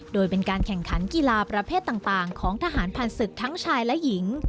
โดยเป็นการแข่งขันกีฬาประเภทต่างของทหารพันธ์ศึกทั้งชายและหญิง